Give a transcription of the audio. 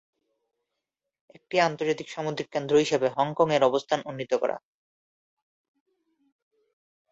একটি আন্তর্জাতিক সামুদ্রিক কেন্দ্র হিসাবে হংকং-এর অবস্থান উন্নীত করা।